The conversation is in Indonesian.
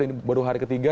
ini baru hari ketiga